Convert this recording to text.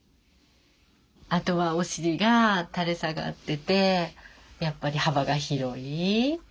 あとはお尻が垂れ下がっててやっぱり幅が広い。